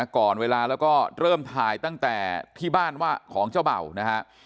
ก่อนเวลาแล้วก็เริ่มถ่ายตั้งแต่ที่บ้านว่าของเจ้าเบ่านะฮะ